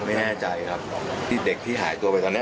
ไม่แน่ใจครับที่เด็กที่หายตัวไปตอนนี้